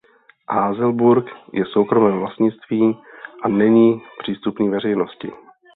Haselburg je v soukromém vlastnictví a není přístupný veřejnosti.